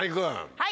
はい。